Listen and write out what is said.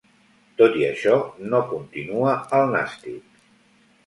Tot i això, no continua al Nàstic.